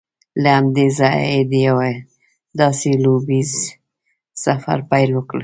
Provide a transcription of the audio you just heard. له همدې ځایه یې د یوه داسې لوبیز سفر پیل وکړ